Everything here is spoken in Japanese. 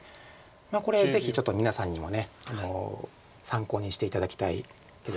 これぜひちょっと皆さんにも参考にして頂きたい手です。